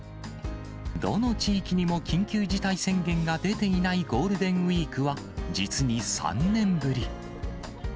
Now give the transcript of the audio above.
どの地域にも緊急事態宣言が出ていないゴールデンウィークは、実に３年ぶり。